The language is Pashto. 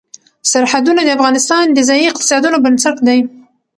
سرحدونه د افغانستان د ځایي اقتصادونو بنسټ دی.